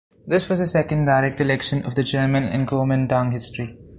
This was the second direct election of the chairman in Kuomintang history.